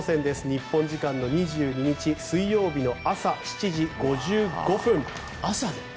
日本時間の２２日水曜日の朝７時５５分。